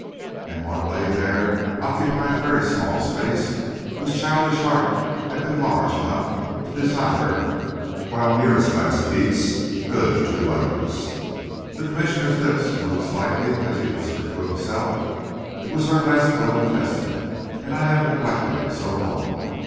And one lay there, occupying very small space, whose childish heart had been large enough to desire, while near its last beats, good to others. The Commissioner's lips moved slightly as he whispered to himself: "It was her last will and testament, and I have neglected it so long!"